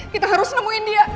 kita harus nemuin dia